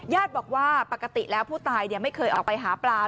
ญาติบอกว่าปกติแล้วผู้ตายไม่เคยออกไปหาปลา